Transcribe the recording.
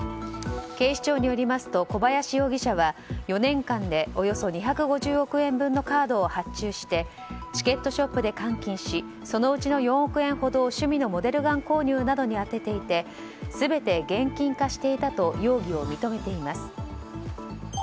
警視庁によりますと小林容疑者は４年間でおよそ２５０億円分のカードを発注してチケットショップで換金しそのうちの４億円ほどを趣味のモデルガン購入などに充てていて全て現金化していたと容疑者を認めています。